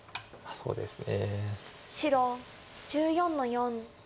そうですね。